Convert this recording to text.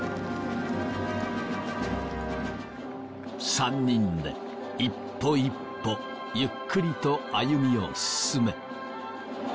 ３人で一歩一歩ゆっくりと歩みを進め。